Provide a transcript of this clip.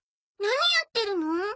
何やってるの？